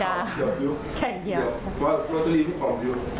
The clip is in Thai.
อันนี้แม่งอียางเนี่ย